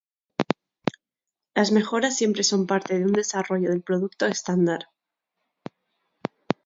Las mejoras siempre son parte de un desarrollo del producto estándar.